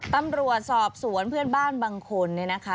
ตำรวจสอบสวนเพื่อนบ้านบางคนเนี่ยนะคะ